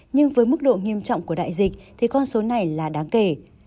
nhưng với mức độ nghiêm trọng của đại dịch thì con số này là đáng kể